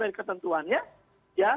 dari ketentuannya ya